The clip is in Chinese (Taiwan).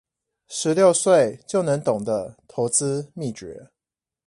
十六歲就能懂的投資祕訣